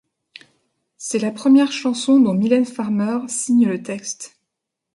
C'est la première chanson dont Mylène Farmer signe le texte.